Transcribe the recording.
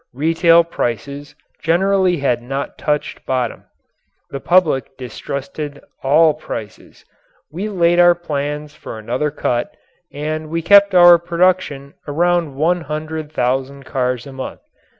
Retail prices generally had not touched bottom. The public distrusted all prices. We laid our plans for another cut and we kept our production around one hundred thousand cars a month.